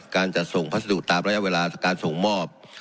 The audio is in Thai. การจัดส่งพัสดุตามระยะเวลาการส่งมอบ